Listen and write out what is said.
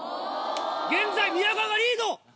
現在宮川がリード！